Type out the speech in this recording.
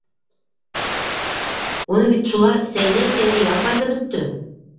—Уны бит шулар сәйнәй-сәйнәй ялпайтып бөттө.